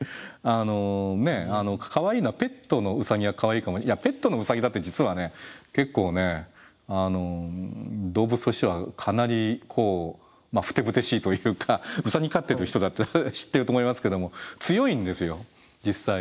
あのねえかわいいのはペットのウサギはかわいいかもいやペットのウサギだって実はね結構動物としてはかなりこうまあふてぶてしいというかウサギ飼ってる人だったら知ってると思いますけども強いんですよ実際。